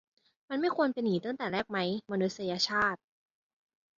มันไม่ควรเป็นงี้แต่แรกไหม มนุษยชาติ